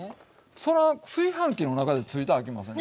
そら炊飯器の中でついたらあきません。